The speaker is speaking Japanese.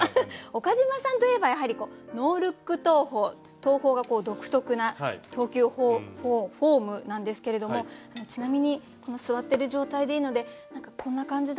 岡島さんといえばやはりノールック投法投法が独特な投球フォームなんですけれどもちなみにこの座ってる状態でいいので何かこんな感じだよって見せて頂くこと。